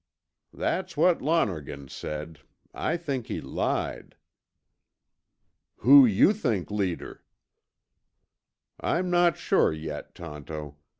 '" "That's what Lonergan said. I think he lied." "Who you think leader?" "I'm not sure yet, Tonto.